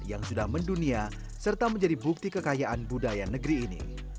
yang sudah mendunia serta menjadi bukti kekayaan budaya negeri ini